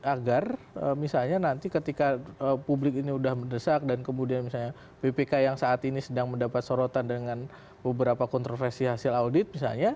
agar misalnya nanti ketika publik ini sudah mendesak dan kemudian misalnya bpk yang saat ini sedang mendapat sorotan dengan beberapa kontroversi hasil audit misalnya